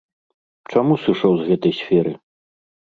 Чаму сышоў з гэтай сферы?